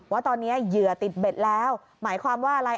ว่าตอนนี้เหยื่อติดเบ็ดแล้วหมายความว่าอะไร